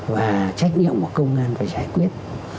và trách nhiệm của công an phải giải quyết